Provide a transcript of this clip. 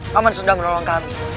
paman sudah menolong kami